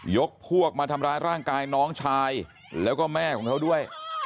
ยกพวกมาทำร้ายร่างกายน้องชายแล้วก็แม่ของเขาด้วย